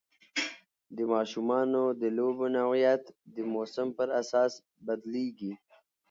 د ماشومانو د لوبو نوعیت د موسم پر اساس بدلېږي.